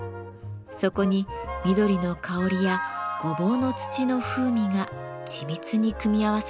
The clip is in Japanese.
そこに緑の香りやごぼうの土の風味が緻密に組み合わされています。